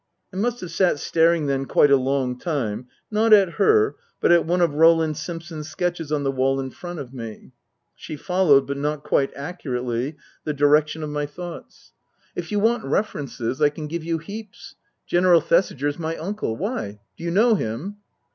I must have sat staring then quite a long time, not at her, but at one of Roland Simpson's sketches on the wall in front of me. She followed, but not quite accurately, the direction of my thoughts. Book I : My Book 15 " If you want references, I can give you heaps. General Thesiger's my uncle. Why ? Do you know him